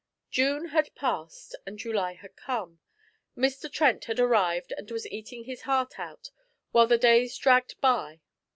June had passed and July had come. Mr. Trent had arrived and was eating his heart out while the days dragged by.